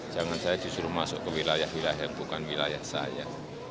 jangan saya disuruh masuk ke wilayah wilayah bukan wilayah saya